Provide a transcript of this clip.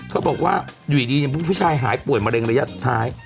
ก็บอกว่าอยู่ดีผู้ชายหายป่วยมะเร็งระยะสุดท้าย